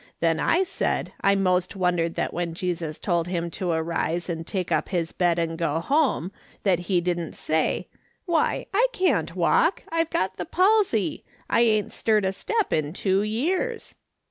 Then I said I most wondered that when Jesus told him to arise and take up his bed and go home, that he didn't say :' Why, I can't walk ! I've got the palsy ; I ain't stirred a step in two years